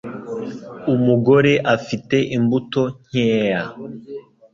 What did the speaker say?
Umugore afite imbuto nkeya.